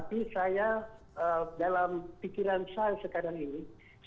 tapi saya dalam pikiran saya sekarang ini